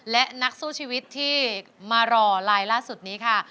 และนักสู้ชีวิตที่มารอลายล่าสุดนี้ค่ะ